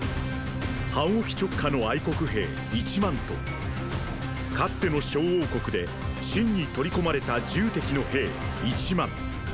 於期直下の国兵一万とかつての小王国で秦に取り込まれた戎の兵一万。